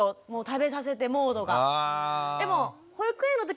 食べさせてモードが。